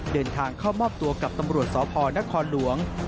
เดินทางเข้ามอบตัวกับตำรวจสพนครหลวง